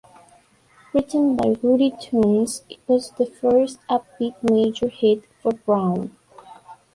Written by Rudy Toombs, it was the first upbeat major hit for Brown.